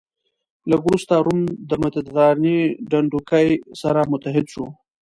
لږ وروسته روم د مدترانې ډنډوکی سره متحد شو.